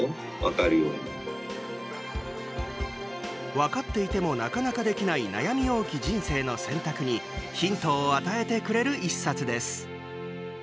分かっていてもなかなかできない悩み多き人生の選択にヒントを与えてくれる一冊です。